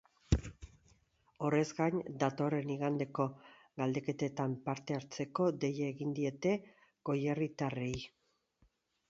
Horrez gain, datorren igandeko galdeketetan parte hartzeko deia egin diete goierritarrei.